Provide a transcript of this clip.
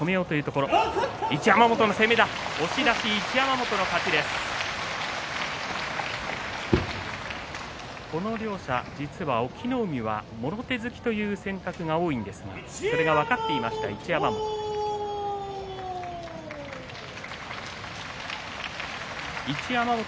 この両者実は隠岐の海がもろ手突きという選択が多いんですがそれが分かっていました一山本。